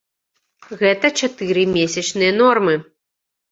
Гэта чатыры месячныя нормы.